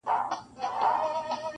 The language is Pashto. • سر او بر یې ګوره مه بس ټولوه یې ..